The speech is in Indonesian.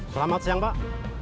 selamat siang pak